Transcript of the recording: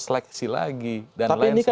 seleksi lagi dan lain sebagainya